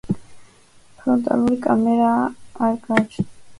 ფრონტალური კამერა არ გააჩნია.